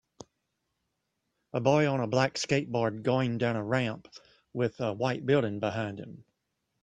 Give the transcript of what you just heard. A boy on a black skateboard going down a ramp with a white building behind him